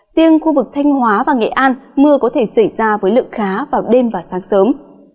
riêng khu vực thanh hóa và nghệ an mưa có thể xảy ra với lượng khá vào đêm và sáng sớm